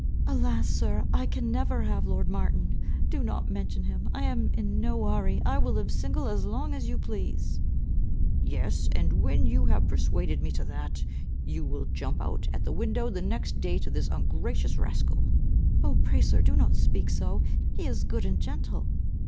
"Alas, sir, I can never have lord Martin. Do not mention him. I am in no hurry. I will live single as long as you please." "Yes, and when you have persuaded me to that, you will jump out at window the next day to this ungracious rascal." "Oh pray sir do not speak so. He is good and gentle."